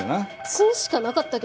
ツンしかなかったけど。